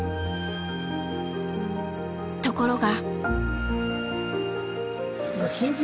ところが。